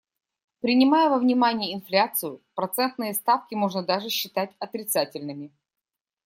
Принимая во внимание инфляцию, процентные ставки можно даже считать отрицательными.